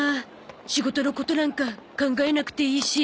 仕事のことなんか考えなくていいし。